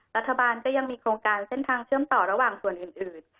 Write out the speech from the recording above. รัฐบาลก็ยังมีโครงการเส้นทางเชื่อมต่อระหว่างส่วนอื่น